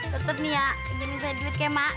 tetep nih ya pinjemin saya duit ya mak